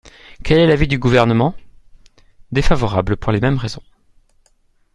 Quel est l’avis du Gouvernement ? Défavorable pour les mêmes raisons.